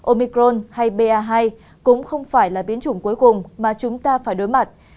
omicron hay ba hai cũng không phải là biến chủng cuối cùng mà chúng ta phải đối mặt